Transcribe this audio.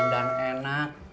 terasa nyaman dan enak